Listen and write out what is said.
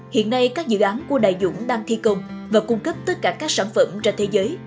hiện nay các dự án của đại dũng đang thi công và cung cấp tất cả các sản phẩm ra thế giới